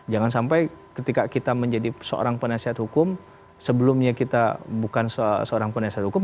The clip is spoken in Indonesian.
jangan sampai ketika kita menjadi seorang penasihat hukum sebelumnya kita bukan seorang penasihat hukum